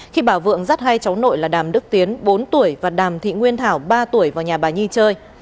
khi bà vượng dắt hai cháu nội là đàm đức tiến bốn tuổi và đàm thị nguyên thảo ba tuổi vào nhà bà nhi chơi